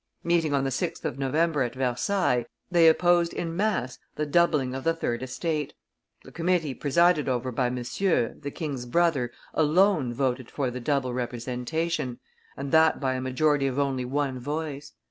Meeting on the 6th of November at Versailles, they opposed in mass the doubling of the third (estate); the committee presided over by Monsieur, the king's brother, alone voted for the double representation, and that by a majority of only one voice.